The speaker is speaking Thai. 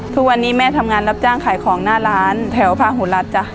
ทุกวันนี้แม่ทำงานรับจ้างขายของหน้าร้านแถวพาหูรัฐจ้ะ